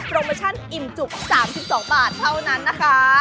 โมชั่นอิ่มจุก๓๒บาทเท่านั้นนะคะ